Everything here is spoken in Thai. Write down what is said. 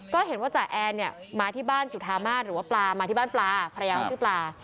ก็เห็นว่าจ่าแอนเนี่ยมาที่บ้านจุธามาศหรือว่าปลามาที่บ้านปลาภรรยาเขาชื่อปลา